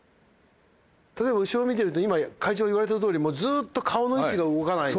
例えば後ろ見てると今会長が言われたとおりずっと顔の位置が動かないで。